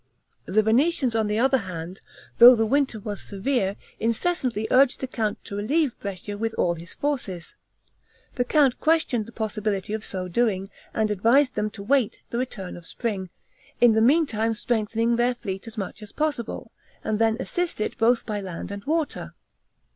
The Venetians, on the other hand, though the winter was severe, incessantly urged the count to relieve Brescia with all his forces. The count questioned the possibility of so doing, and advised them to wait the return of spring, in the meantime strengthening their fleet as much as possible, and then assist it both by land and water.